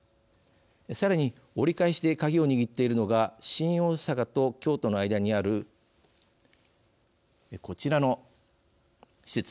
さらに、折り返しで鍵を握っているのが新大阪と京都の間にあるこちらの施設。